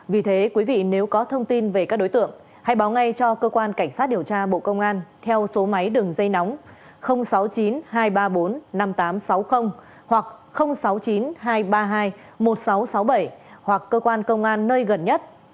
vì thế quý vị nếu có thông tin về các đối tượng hãy báo ngay cho cơ quan cảnh sát điều tra bộ công an theo số máy đường dây nóng sáu mươi chín hai trăm ba mươi bốn năm nghìn tám trăm sáu mươi hoặc sáu mươi chín hai trăm ba mươi hai một nghìn sáu trăm sáu mươi bảy hoặc cơ quan công an nơi gần nhất